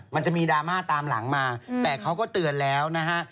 มันจะมีดราม่าตามหลังมาแต่เขาก็เตือนแล้วนะฮะ